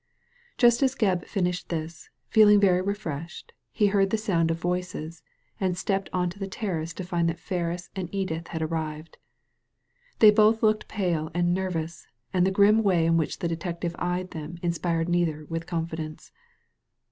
Just as Gebb finished this, feeling very refreshed, he heard the sound of voices, and stepped on to the terrace to find that Ferris and Edith had arrived. They both looked pale and nervous, and the grim way in which the detective eyed them inspired neither with confidence.